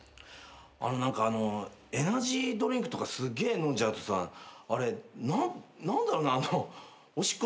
何かあのエナジードリンクとかすっげえ飲んじゃうとさあれ何だろうね。